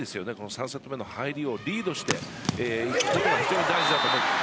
３セット目の入りをリードをしていくことが大事だと思います。